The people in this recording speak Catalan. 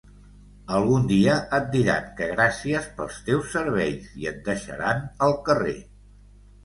Algun dia et diran que gràcies pels teus serveis i et deixaran al carrer.